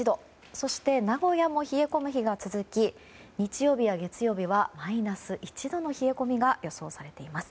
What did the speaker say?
そして名古屋も冷え込む日が続き日曜日や月曜日はマイナス１度の冷え込みが予想されています。